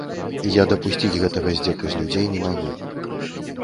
Я дапусціць гэтага здзеку з людзей не магу.